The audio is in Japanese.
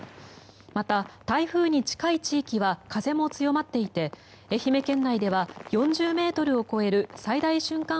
また、台風に近い地域は風も強まっていて愛媛県内では４０ｍを超える最大瞬間